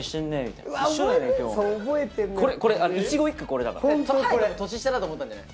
隼が年下だと思ったんじゃない？